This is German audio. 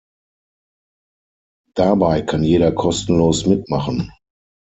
Dabei kann jeder kostenlos mitmachen.